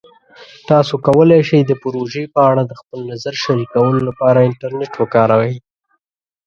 تاسو کولی شئ د پروژې په اړه د خپل نظر شریکولو لپاره انټرنیټ وکاروئ.